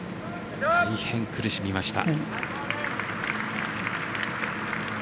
大変、苦しみました。